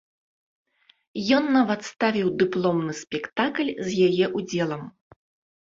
Ён нават ставіў дыпломны спектакль з яе ўдзелам.